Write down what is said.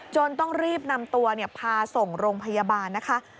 ต้องรีบนำตัวพาส่งโรงพยาบาลนะคะ